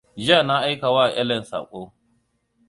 Jiya na aika wa Ellen saƙo.